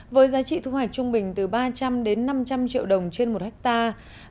với giá trị thu hoạch trung bình từ ba trăm linh đến năm trăm linh triệu đồng trên một hectare